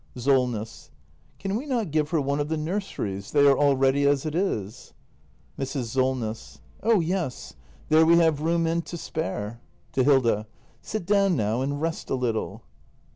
Solness. Can we not give her one of the nurseries ? They are all ready as it is. Mrs. Solness. Oh yes. There we have room and to spare. [To Hilda.] Sit down now, and rest a little.